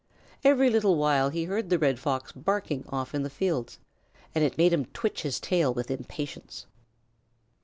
Every little while he heard the Red Fox barking off in the fields, and it made him twitch his tail with impatience.